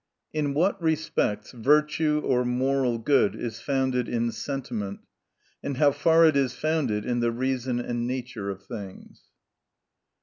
In what respects Virtue or moral good is founded in Sentiment; and how far it is founded in the Reason and Nature of things.